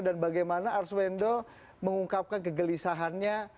dan bagaimana arswendo mengungkapkan kegelisahannya